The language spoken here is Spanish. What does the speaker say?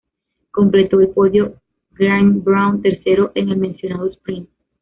Completó el podio Graeme Brown, tercero en el mencionado "sprint".